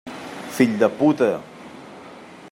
Fill de puta!